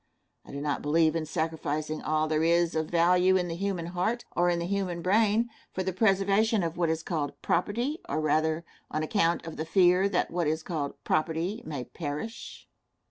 I do not believe in sacrificing all there is of value in the human heart, or in the human brain, for the preservation of what is called property, or rather, on account of the fear that what is called "property" may perish.